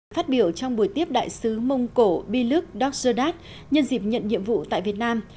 phát biểu trong buổi tiếp đại sứ mông cổ biluk dorczodat nhân dịp nhận nhiệm vụ tại việt nam